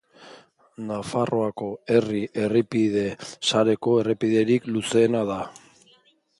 Nafarroako herri errepide sareko errepiderik luzeena da.